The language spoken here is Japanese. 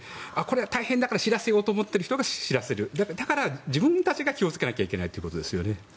大変だから知らせようと思ってる人が知らせるだから自分たちが気をつけなきゃいけないということですね。